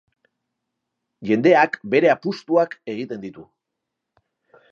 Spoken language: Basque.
Jendeak bere apustuak egiten ditu.